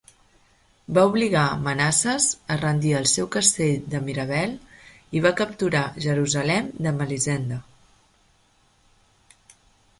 Va obligar Manasses a rendir el seu castell de Mirabel, i va capturar Jerusalem de Melisende.